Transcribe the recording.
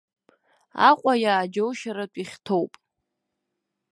Аҟәа иааџьоушьартә ихьҭоуп.